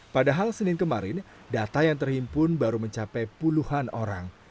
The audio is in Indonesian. padahal senin kemarin data yang terhimpun baru mencapai puluhan orang